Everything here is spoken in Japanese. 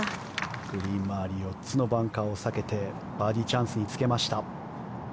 グリーン周り４つのバンカーを避けてバーディーチャンスにつけました。